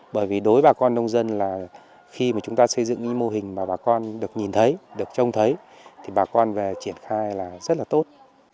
bởi vì đối với bà con nông dân là khi mà chúng ta xây dựng cái mô hình mà bà con được nhìn thấy được trông thấy thì bà con về triển khai là rất là tốt